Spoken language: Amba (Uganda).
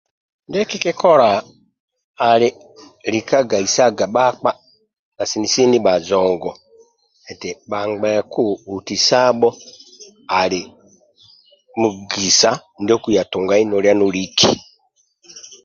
Ndie kikikola ali lika gaisaga bhakpa sini sini bhajongo neti bhangbeku hutisabho ali mugisa ndio okuya tungai nolia noliki